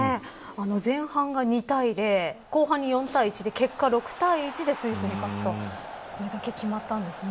前半が２対０後半に４対１で結果６対１でスイスに勝ってこれで決まったんですね。